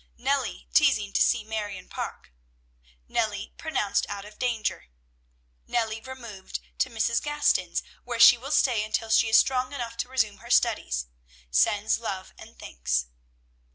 "Nellie teasing to see Marion Parke." "Nellie pronounced out of danger." "Nellie removed to Mrs. Gaston's, where she will stay until she is strong enough to resume her studies. Sends love and thanks."